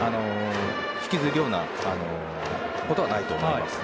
引きずるようなことはないと思います。